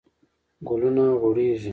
ګلونه غوړیږي